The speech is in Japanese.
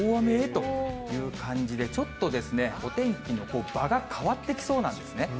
という感じで、ちょっとですね、お天気のほう、場が変わってきそうなんですね。